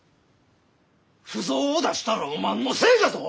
腐造を出したらおまんのせいじゃぞ！